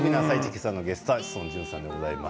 今朝のゲストは志尊淳さんでございます。